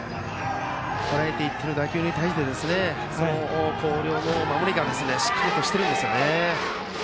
とらえていっている打球に対して広陵の守りがしっかりしているんですよね。